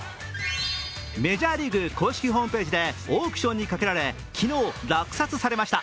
メジャーリーグ公式ホームページでオークションにかけられ昨日、落札されました。